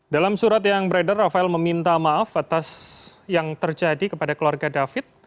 dalam surat yang beredar rafael meminta maaf atas yang terjadi kepada keluarga david